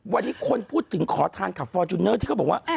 วันนี้คนพูดถึงขอทานขับฟอร์จูเนอร์ที่เขาบอกว่า